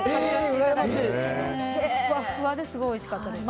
ふわふわですごいおいしかったです。